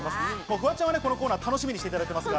フワちゃんは、このコーナー楽しみにしていただいてますが。